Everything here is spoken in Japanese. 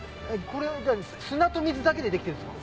これは砂と水だけでできてるんですか？